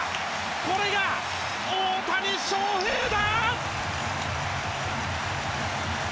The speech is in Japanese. これが大谷翔平だ！